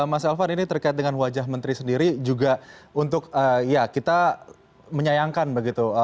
mas elvan ini terkait dengan wajah menteri sendiri juga untuk ya kita menyayangkan begitu